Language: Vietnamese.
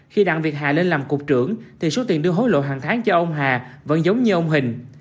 khi đặng việt hà lên làm cục trưởng thì số tiền đưa hối lộ hàng tháng cho ông hà vẫn giống như ông hình